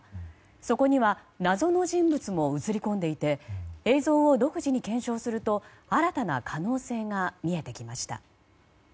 そこには謎の人物も映り込んでいて映像を独自に検証すると新たな可能性が見えてきました。